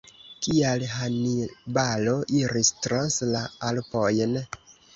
Kial Hanibalo iris trans la Alpojn?